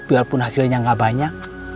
biarpun hasilnya gak banyak